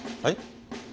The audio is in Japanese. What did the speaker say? はい？